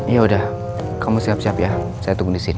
iya udah kamu siap siap ya saya tunggu disini